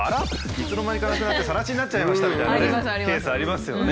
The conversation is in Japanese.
いつの間にかなくなってさら地になっちゃいましたみたいなケースありますよね。